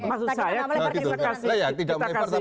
maksud saya kita kasih data